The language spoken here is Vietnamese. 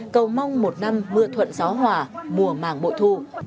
cầu mong một năm mưa thuận gió hòa mùa màng bội thu